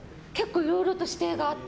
いろいろと指定があって。